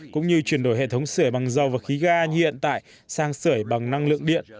cũng như chuyển đổi hệ thống sửa bằng dầu và khí ga như hiện tại sang sửa bằng năng lượng điện